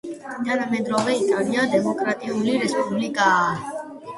თანამედროვე იტალია დემოკრატიული რესპუბლიკაა.